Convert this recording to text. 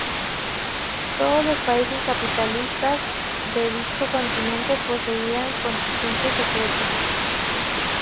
Todos los países capitalistas de dicho continente poseían contingentes secretos.